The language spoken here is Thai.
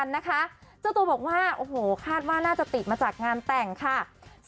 ในความหวานในการดูแลกัน